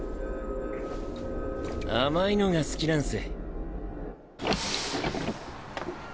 甘いのが好きなんス。